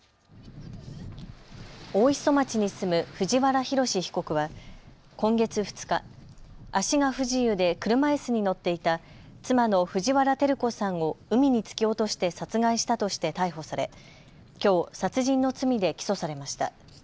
大磯町に住む藤原宏被告は今月２日、足が不自由で車いすに乗っていた妻の藤原照子さんを海に突き落として殺害したとして逮捕されきょう殺人の罪で起訴されました。